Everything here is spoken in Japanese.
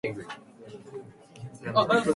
あなたのことが好き。